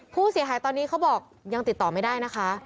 ผู้เสียหายตอนนี้เขาบอกยังติดต่อไม่ได้นะคะ